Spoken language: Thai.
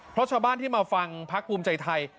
เพราะชาวบ้านที่มาฟังพักภูมิใจไทย